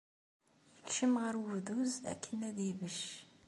Yekcem ɣer ubduz akken ad ibecc.